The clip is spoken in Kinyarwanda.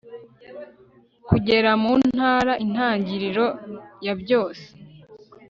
kugera muntara intangiriro yabyose